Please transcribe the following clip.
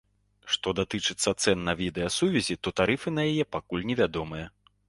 Што датычыцца цэн на відэасувязі, то тарыфы на яе пакуль невядомыя.